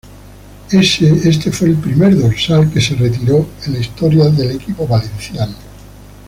Este fue el primer dorsal que se retiró en la historia del equipo valenciano.